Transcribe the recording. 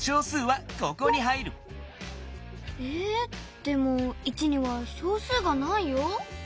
でも１には小数がないよ。